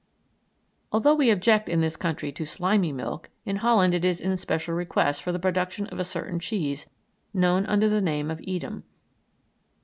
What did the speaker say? Although we object in this country to slimy milk, in Holland it is in special request for the production of a certain cheese known under the name of Edam.